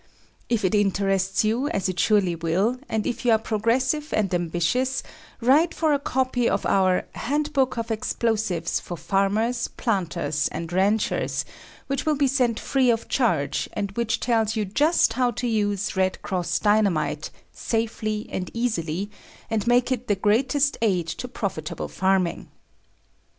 If it interests you, as it surely will, and if you are progressive and ambitious, write for a copy of our "Handbook of Explosives for Farmers, Planters and Ranchers," which will be sent free of charge and which tells just how to use "Red Cross" Dynamite safely and easily, and make it the greatest aid to profitable farming.